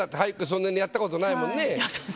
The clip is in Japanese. そんなにやった事ないもんね？